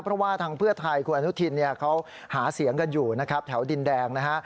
เพราะว่าทางเพื่อไทยคุณอนุทินเนี่ยเขาหาเสียงกันอยู่นะครับแถวดินแดงนะฮะ